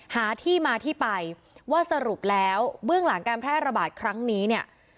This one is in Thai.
หาที่มาที่ไปว่าสรุปแล้วเบื้องหลังการแพร่ระบาดครั้งนี้เนี่ย